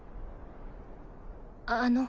あの。